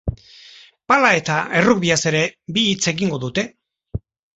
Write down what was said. Pala eta errugbiaz ere bi hitz egingo dute.